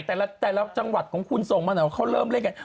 ที่ไหนล่ะแต่ก็จังหวัดของคุณส่งมั้นว่าเขาเริ่มเล่นกัน